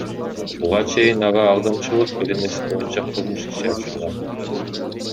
Буга чейин ага Алдамчылык беренеси боюнча кылмыш иши ачылган.